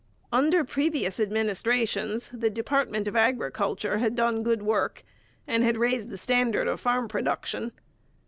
Under previous administrations the department of agriculture had done good work and had raised the standard of farm production.